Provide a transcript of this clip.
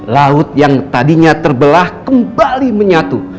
laut yang tadinya terbelah kembali menyatu